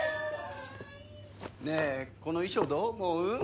ねえこの衣装どう思う？